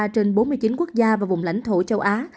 ba trên bốn mươi chín quốc gia và vùng lãnh thổ châu á